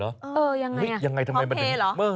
เออยังไงพร้อมเคลหรอ